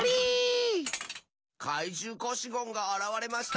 かいじゅうコシゴンがあらわれました。